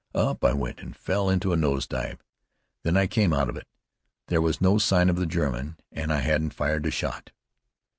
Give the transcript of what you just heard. Up I went and fell into a nose dive. When I came out of it there was no sign of the German, and I hadn't fired a shot!"